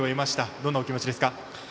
どんなお気持ちですか？